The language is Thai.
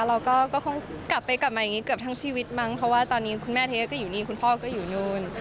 เราก็คงกลับไปกลับมาอย่างนี้เกือบทั้งชีวิตมั้งเพราะว่าตอนนี้คุณแม่เทศก็อยู่นี่คุณพ่อก็อยู่นู่น